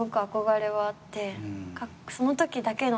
そのときだけの。